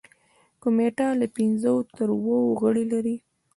کمیټه له پنځو تر اوو غړي لري.